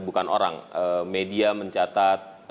bukan orang media mencatat